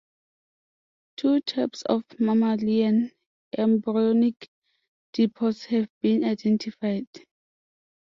Two types of mammalian embryonic diapause have been identified.